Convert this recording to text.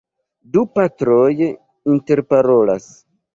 Du patroj interparolas.